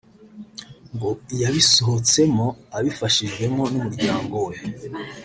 ngo yabisohotsemo abifashijwemo n’umuryango we